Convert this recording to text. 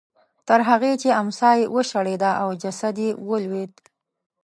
تر هغې چې امسا یې وشړېده او جسد یې ولوېد.